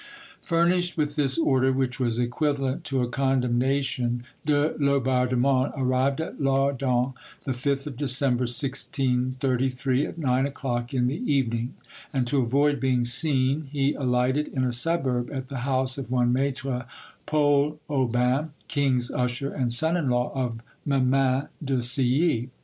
Furnished with this order, which was equivalent to a condemnation, de Laubardemont arrived at Laudun, the 5th of December, 1633, at nine o'clock in the evening; and to avoid being seen he alighted in a suburb at the house of one maitre Paul Aubin, king's usher, and son in law of Memin de Silly.